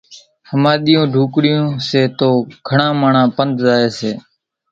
ۿماۮِيئيون ڍوڪڙيون سي تو گھڻان ماڻۿان پنڌ زائي سي